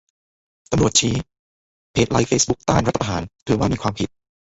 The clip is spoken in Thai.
ตำรวจชี้ กดไลก์เฟซบุ๊กเพจต้านรัฐประหาร ถือว่ามีความผิด